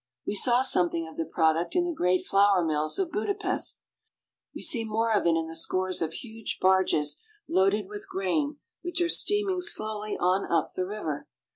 We saw something of the product in the great flour mills of Budapest. We see more of it in the scores of huge barges loaded with grain which are steaming slowly on up the river.